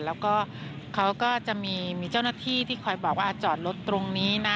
แล้วก็เขาก็จะมีเจ้าหน้าที่ที่คอยบอกว่าจอดรถตรงนี้นะ